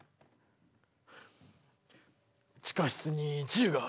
地下室に銃がある。